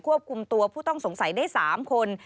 ควบคุมตัวผู้ต้องสงสัยได้๓คน